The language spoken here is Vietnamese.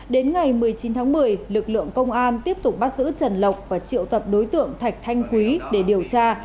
đến ngày một mươi chín tháng một mươi lực lượng công an tiếp tục bắt giữ trần lộc và triệu tập đối tượng thạch thanh quý để điều tra